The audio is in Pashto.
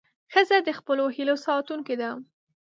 ښځه د خپلو هیلې ساتونکې ده.